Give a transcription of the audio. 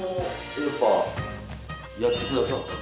やってくださった？